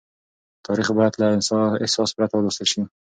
تاريخ بايد له احساس پرته ولوستل شي.